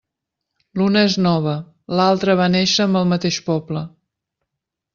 L'una és nova, l'altra va néixer amb el mateix poble.